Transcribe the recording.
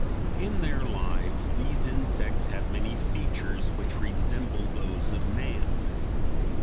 In their lives these insects have many features which resemble those of man.